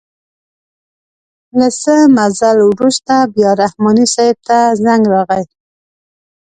له څه مزل وروسته بیا رحماني صیب ته زنګ راغئ.